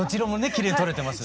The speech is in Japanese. きれいに撮れてます。